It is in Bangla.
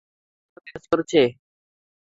যেহেতু দলের পক্ষে কাজ করছে।